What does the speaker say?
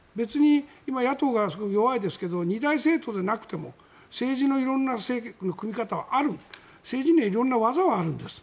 今、野党が弱いですが２大政党でなくても政治の色んな政権の組み方はある政治には色んな技はあるんです。